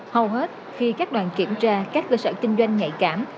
hầu hết khi các đoàn kiểm tra các cơ sở kinh doanh nhạy cảm